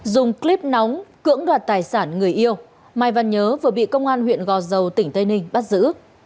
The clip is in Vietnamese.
dùng clip nóng cưỡng đoạt tài sản người yêu mai văn nhớ vừa bị công an huyện gò dầu tỉnh tây ninh bắt giữ